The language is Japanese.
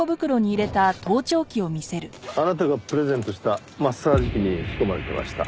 あなたがプレゼントしたマッサージ器に仕込まれてました。